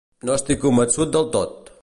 No estic convençut del tot!